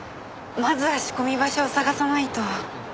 まずは仕込み場所を探さないと。